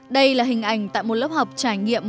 đây là hình ảnh tại một lớp học trải nghiệm